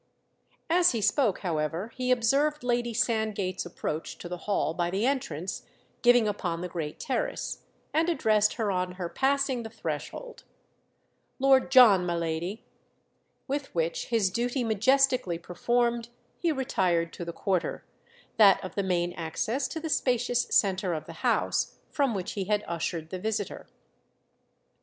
As he spoke, however, he observed Lady Sandgate's approach to the hall by the entrance giving upon the great terrace, and addressed her on her passing the threshold. "Lord John, my lady." With which, his duty majestically performed, he retired to the quarter—that of the main access to the spacious centre of the house—from which he had ushered the visitor.